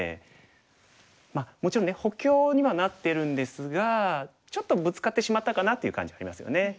まあもちろんね補強にはなってるんですがちょっとブツカってしまったかなっていう感じはありますよね。